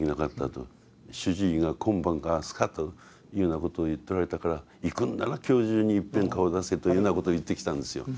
主治医が今晩か明日かというようなことを言っておられたから行くんなら今日中にいっぺん顔を出せということを言ってきたんですよ。